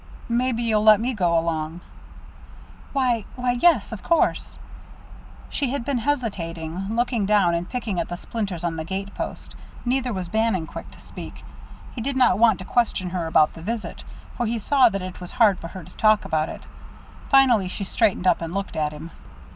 "Maybe you'll let me go along." "Why why, yes, of course." She had been hesitating, looking down and picking at the splinters on the gate post. Neither was Bannon quick to speak. He did not want to question her about the visit, for he saw that it was hard for her to talk about it. Finally she straightened up and looked at him.